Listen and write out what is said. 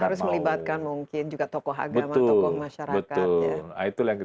harus melibatkan mungkin juga tokoh agama tokoh masyarakat ya